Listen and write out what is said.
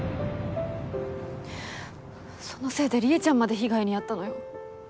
そのせいでりえちゃんまで被害に遭ったのよ。